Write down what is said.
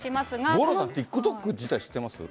五郎さん、ＴｉｋＴｏｋ自体、知ってます？